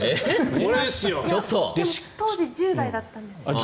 当時１０代だったんです。